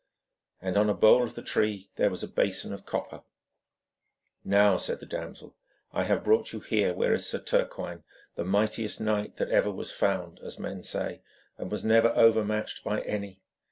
And on a bole of the tree there was a bason of copper. 'Now,' said the damsel, 'I have brought you here where is Sir Turquine, the mightiest knight that ever was found, as men say, and was never overmatched by any.